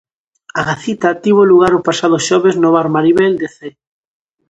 A cita tivo lugar o pasado xoves no bar Maribel de Cee.